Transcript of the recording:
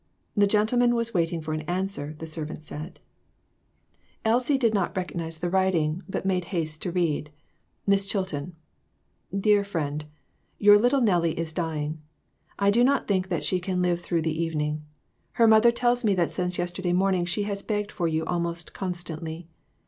The gentleman was waiting for an answer, the servant said. Elsie 366 COMPLICATIONS. did not recognize the writing, but made haste to read Miss CHILTON: Dear Friend Your little Nellie is dying. I do not think that she can live through the evening. Her mother tells me that since yesterday morning she has begged for you almost con stantly.